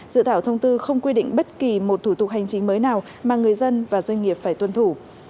dự thảo thông tư không quy định bất kỳ một thủ tục hành chính mới nào mà người dân và doanh nghiệp phải tuân thủ